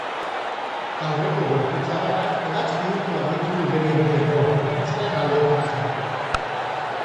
Aurreko gorputz-adarrak hegats bihurtuak ditu igeri egiteko, gorputzaren alde banatara.